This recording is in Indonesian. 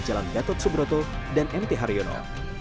jalan gatot subroto dan mt haryono